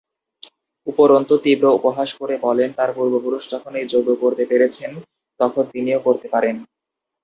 উপরন্তু তীব্র উপহাস করে বলেন তার পূর্বপুরুষ যখন এই যজ্ঞ করতে পেরেছেন তখন তিনিও করতে পারেন।